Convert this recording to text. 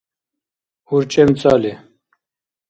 урчӀемцӀали